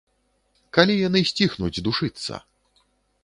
Калі яны сціхнуць душыцца?